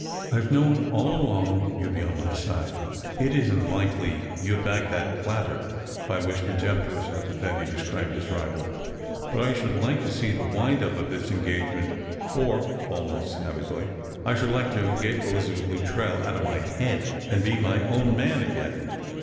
"I've known all along you'd be on jny side. It isn't likely you'd back that plater," — by which contemptuous epithet he described his rival. " But I should like to see the wind up of this engagement, or," almost savagely, " I should like to get Elizabeth Luttrell out of my head, and be my own man again."